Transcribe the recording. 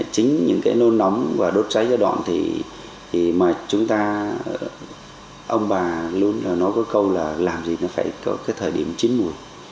chính những cái nôn nóng và đốt cháy giai đoạn thì mà chúng ta ông bà luôn nói có câu là làm gì nó phải có cái thời điểm chín mùi